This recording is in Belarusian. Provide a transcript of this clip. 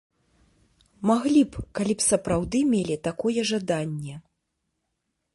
Маглі б, калі б сапраўды мелі такое жаданне.